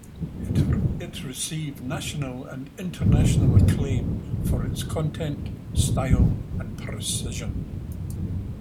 It received national and international acclaim for its content, style, and precision.